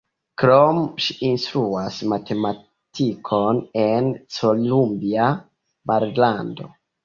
Krome ŝi instruas matematikon en Columbia, Marilando.